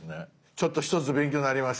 ちょっと一つ勉強になりました。